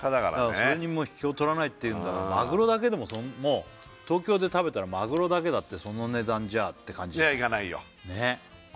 それにも引けを取らないっていうんだからマグロだけでももう東京で食べたらマグロだけだってその値段じゃあって感じいやいかないよ